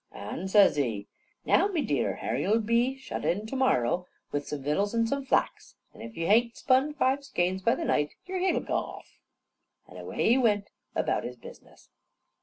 An' says he, "Now, me dear, hare you'll be shut in to morrow with some vittles and some flax, and if you hain't spun five skeins by the night, yar hid'll goo off." An' awa' he went about his business.